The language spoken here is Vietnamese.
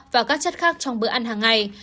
và các chất khác trong bữa ăn hàng ngày